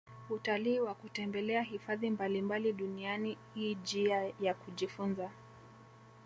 Utalii wa kutembelea hifadhi mbalimbali duniani i jia ya kujifunza